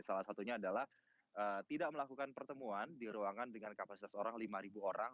salah satunya adalah tidak melakukan pertemuan di ruangan dengan kapasitas orang lima orang